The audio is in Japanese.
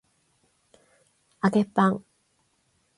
揚げパン